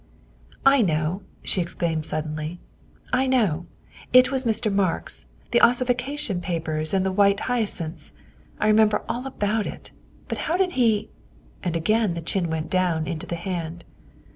" I know," she exclaimed suddenly, " I know. It was Mr. Marks the ossification papers and the white hyacinths. I remember all about it, but how did he " and again the chin went down into the hand.